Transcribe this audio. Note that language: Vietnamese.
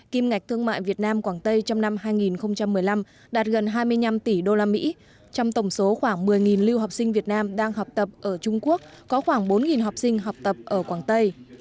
kim ngạch thương mại việt nam quảng tây trong năm hai nghìn một mươi năm đạt gần hai mươi năm tỷ usd trong tổng số khoảng một mươi lưu học sinh việt nam đang học tập ở trung quốc có khoảng bốn học sinh học tập ở quảng tây